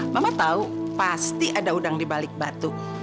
mama tahu pasti ada udang di balik batu